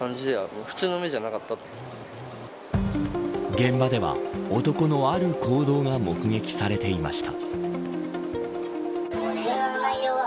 現場では男のある行動が目撃されていました。